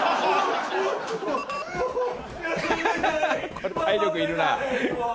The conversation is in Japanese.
これ体力いるな。